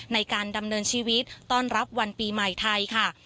ในการดำเนินชีวิตต้อนรับวันปีใหม่ไทยค่ะ